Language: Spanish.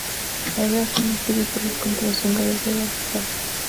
El río Zala fluye por los condados húngaros de Vas y Zala.